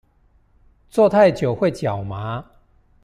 坐太久會腳麻